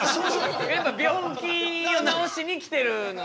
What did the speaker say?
病気を治しに来てるので。